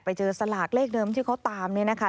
ไปเจอสลากเลขเดิมที่เขาตามเนี่ยนะคะ